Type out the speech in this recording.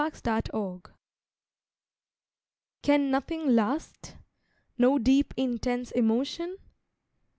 ON THE SEA SHORE Can nothing last? No deep, intense emotion?